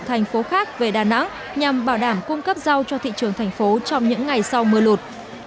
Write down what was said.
thành phố khác về đà nẵng nhằm bảo đảm cung cấp rau cho thị trường thành phố trong những ngày sau mưa lụt